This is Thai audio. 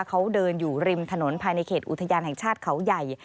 เขาเดินอยู่ริมถนนภายในเขตอุทยานแห่งชาติเขาใหญ่